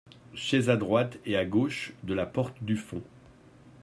Chaise à droite et à gauche de la porte du fond.